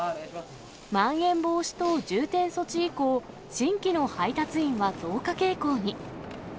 まん延防止等重点措置以降、新規の配達員は増加傾向に。